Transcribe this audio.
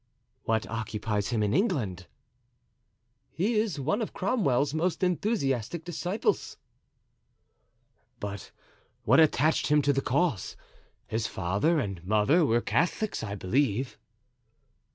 "What occupies him in England?" "He is one of Cromwell's most enthusiastic disciples." "But what attached him to the cause? His father and mother were Catholics, I believe?"